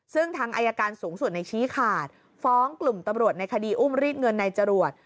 ซึ่งทางอายการสูงสุดในชี้ขาดฟ้องกลุ่มตำรวจในคดีอุ้มรีดเงินในจรวด